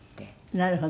なるほど。